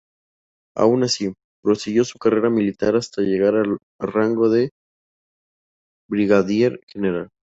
Aun así, prosiguió su carrera militar hasta llegar al rango de brigadier general.